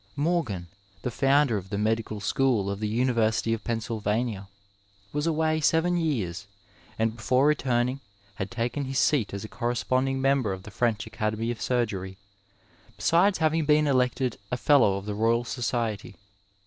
Morgan, the founder of the medical school of the University of Pennsylvania, was away seven years, and before return ing had taken his seat as a corresponding member of the French Academy of Surgery, besides having been elected a Fellow of the Royal Society.